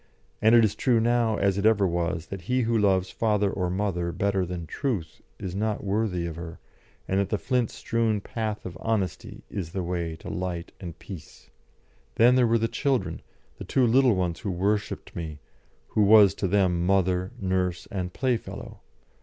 And it is true now as it ever was that he who loves father or mother better than Truth is not worthy of her, and the flint strewn path of honesty is the way to Light and Peace. Then there were the children, the two little ones who worshipped me, who was to them mother, nurse, and playfellow.